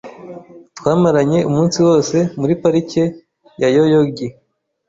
Twamaranye umunsi wose muri Parike ya Yoyogi.